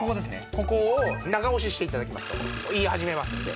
ここを長押しして頂きますといい始めますんで。